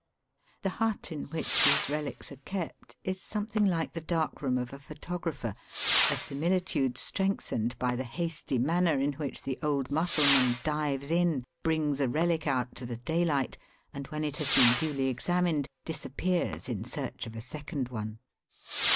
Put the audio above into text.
The hut in which these relics are kept is something like the dark room of a photographer, a similitude strengthened by the hasty manner in which the old Mussulman dives in, brings a relic out to the dayUght, and when it has been duly examined, disappears in search of a second one.